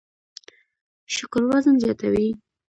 شکر وزن زیاتوي